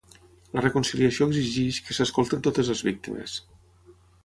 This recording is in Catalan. La reconciliació exigeix que s’escoltin totes les víctimes.